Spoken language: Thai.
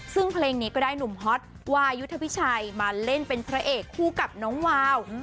ซึ่งเพลงนี้ก็ได้หนุ่มฮอตวายุทธพิชัยมาเล่นเป็นพระเอกคู่กับน้องวาว